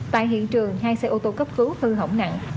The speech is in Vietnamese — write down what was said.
tại hiện trường hai xe ô tô cấp cứu hư hỏng nặng